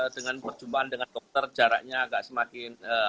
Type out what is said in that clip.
dengan perjumpaan dengan dokter jaraknya agak semakin